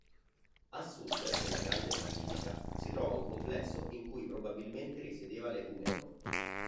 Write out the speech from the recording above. A sud della grande basilica si trova un complesso in cui probabilmente risiedeva l'egumeno.